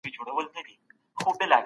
ټولنپوهنه د ټولني ستونزې څېړي.